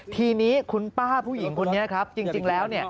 ทีนี้คุณป้าผู้หญิงคนนี้ครับจริงแล้ว